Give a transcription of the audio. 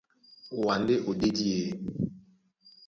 Wǎ ndé ó ɗédi e.